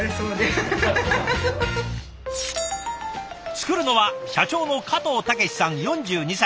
作るのは社長の加藤岳史さん４２歳。